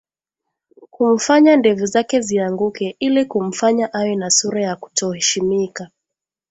kumfanya ndevu zake zianguke ili kumfanya awe na sura ya kutoheshimika